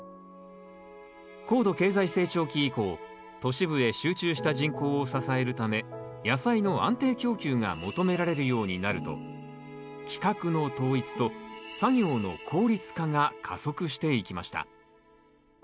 高度経済成長期以降都市部へ集中した人口を支えるため野菜の安定供給が求められるようになると規格の統一と作業の効率化が加速していきました。